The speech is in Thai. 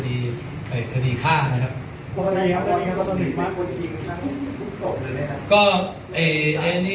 ตอนนี้มีมากกว่าที่ดีกว่านั้นครับทุกส่งหรือไงครับ